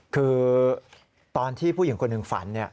คือตอนที่ผู้หญิงคนหนึ่งฝัน